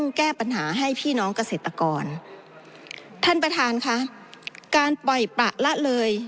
แก้ปัญหาให้พี่น้องเกษตรกรท่านประธานค่ะการปล่อยประละเลย